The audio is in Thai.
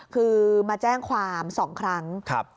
คือมาแจ้งความสองครั้งครับ